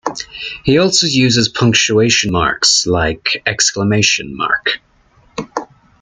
He also uses punctuation marks like !